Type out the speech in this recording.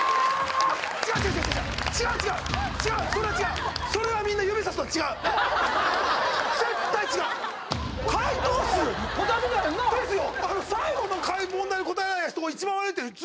違う違う違う違うそれは違うそれはみんな絶対違う解答数答えてたやんなですよ